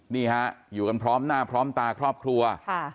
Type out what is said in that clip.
นี่ฮะอยู่กันพร้อมหน้าพร้อมตาครอบครัว